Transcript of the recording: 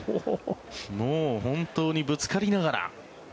もう本当にぶつかりながら。